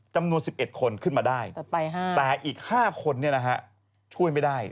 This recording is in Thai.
จำนวน๑๑คนขึ้นมาได้แต่อีก๕คนช่วยไม่ได้